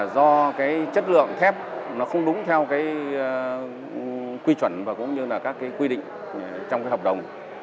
do chất lượng thép không đúng theo quy chuẩn và các quy định trong hợp đồng